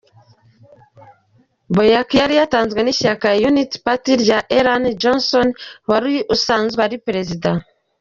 Boakai yari yatanzwe n’ishyaka Unity Party rya Ellen Johnson wari usanzwe ari Perezida.